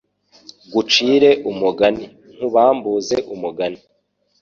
gucire umugani nkubambuze umugani